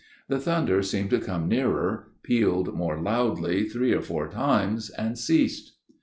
The thunder seemed to come nearer, pealed more loudly three or four times and ceased.